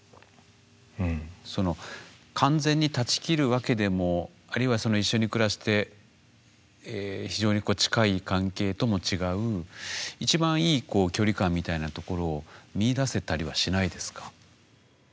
その完全に断ち切るわけでもあるいは一緒に暮らして非常に近い関係とも違う一番いい距離感みたいなところを見いだせたりはしないですか？